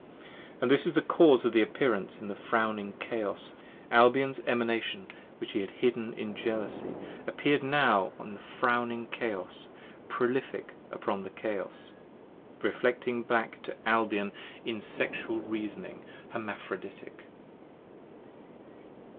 25 And this is the cause of the appearance in the frowning Chaos: Albion's Emanation which he had hidden in Jealousy Appear'd now in the frowning Chaos, prolific upon the Chaos, Reflecting back to Albion in Sexual Reasoning, Hermaphroditic.